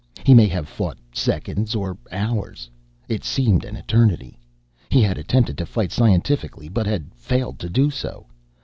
He may have fought seconds or hours. It seemed an eternity. He had attempted to fight scientifically, but had failed to do so.